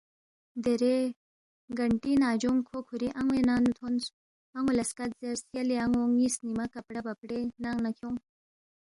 دیرے گھنٹی ننگجونگ کھو کُھوری ان٘وے ننگ نُو تھونس، ان٘و لہ سکت زیرس، یلے ان٘و ن٘ی سنِنگمہ کپڑے بپٹرے ننگ نہ کھیونگ